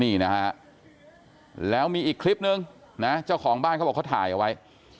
นี่นะฮะแล้วมีอีกคลิปนึงนะเจ้าของบ้านเขาบอกเขาถ่ายเอาไว้